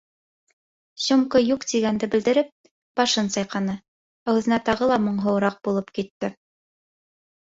Сёмка «юҡ» тигәнде белдереп башын сайҡаны, ә үҙенә тағы ла моңһоуыраҡ булып китте.